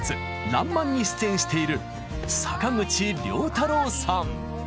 「らんまん」に出演している坂口涼太郎さん。